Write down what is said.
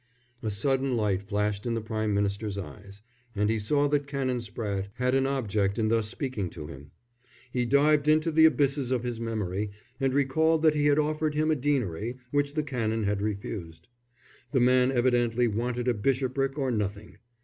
A sudden light flashed in the Prime Minister's eyes, and he saw that Canon Spratte had an object in thus speaking to him. He dived into the abysses of his memory, and recalled that he had offered him a deanery, which the Canon had refused. The man evidently wanted a bishopric or nothing.